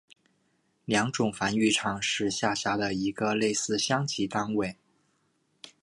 良种繁育场是下辖的一个类似乡级单位。